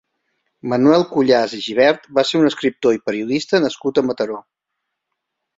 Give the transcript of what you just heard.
Manuel Cuyàs i Gibert va ser un escriptor i periodista nascut a Mataró.